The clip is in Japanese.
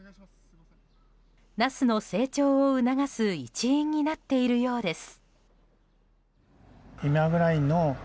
ナスの成長を促す一因になっているようです。